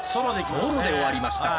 ソロで終わりましたか。